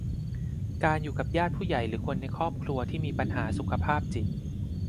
การอยู่กับญาติผู้ใหญ่หรือคนในครอบครัวที่มีปัญหาสุขภาพจิต